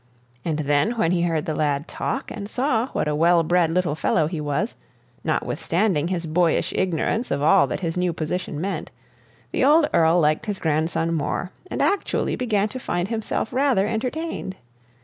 And then when he heard the lad talk, and saw what a well bred little fellow he was, notwithstanding his boyish ignorance of all that his new position meant, the old Earl liked his grandson more, and actually began to find himself rather entertained.